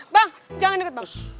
bang jangan deket bang